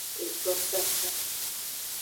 Eto sasa.